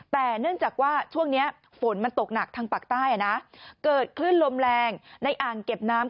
แต่เนื่องจากว่าช่วงนี้ฝนมันตกหนักทางปากใต้นะเกิดขึ้นลมแรงในอ่างเก็บน้ำ